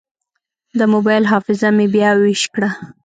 د موبایل حافظه مې بیا ویش کړه.